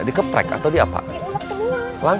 dikeprek atau diapakan